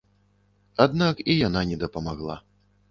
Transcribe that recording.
Аднак і яна не дапамагла.